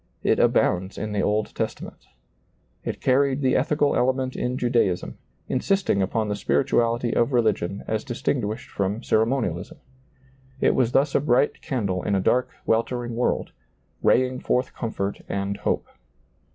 It abounds in the Old Testament It carried the ethical element in Judaism, insisting upon the spirituality of religion as distinguished from ceremonialism. It was thus a bright candle in a dark, weltering world, raying forth comfort and hope.